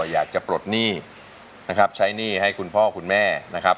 ปลดหนี้นะครับใช้หนี้ให้คุณพ่อคุณแม่นะครับ